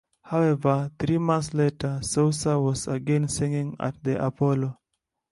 However, three months later Sousa was again singing at the Apollo.